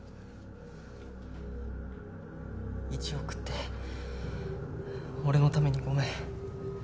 １億って俺のためにごめん。